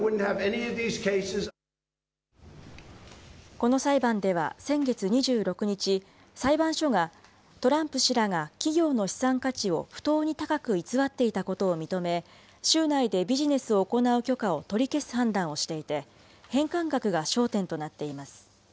この裁判では先月２６日、裁判所がトランプ氏らが企業の資産価値を不当に高く偽っていたことを認め、州内でビジネスを行う許可を取り消す判断をしていて、返還額が焦点となっています。